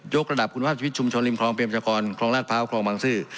ยกระดับคุณภาพชีวิตชุมชนริมครองเบียงประชากรครองราชภาพครองบังซื้อ